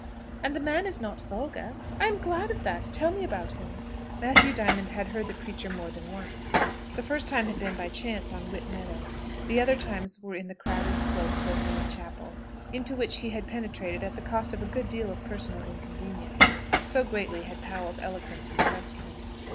"And the man is not vulgar? I am glad of that! Tell me about him." Matthew Diamond had heard the preacher more than once. The first time had been by chance on Whit Meadow. The other times were in the crowded, close Wesleyan chapel, into which he had penetrated at the cost of a good deal of personal inconvenience, so greatly had Powell's eloquence impressed him.